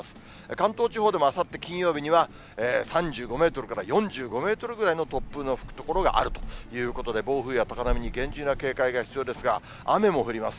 関東地方でもあさって金曜日には、３５メートルから４５メートルぐらいの突風の吹く所があるということで、暴風や高波に厳重な警戒が必要ですが、雨も降ります。